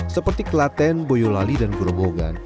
seperti kelaten boyolali dan gurubogan